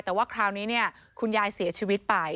แต่ว่าคราวนี้คุณยายเสียชีวิตไป